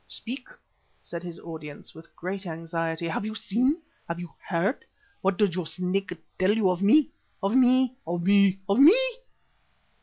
"Speak," said his audience, with great anxiety. "Have you seen? Have you heard? What does your Snake tell you of me? Of me? Of me? Of me?"